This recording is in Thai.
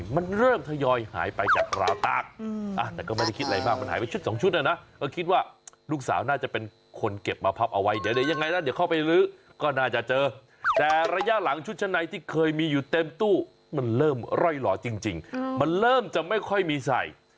มันเริ่มร่อยหล่อจริงมันเริ่มจะไม่ค่อยมีใส่